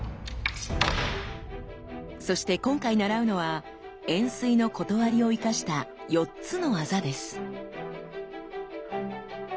そして今回習うのは「円錐の理」を生かした４つの技です。